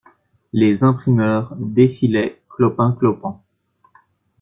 Les imprimeurs défilaient clopin-clopant.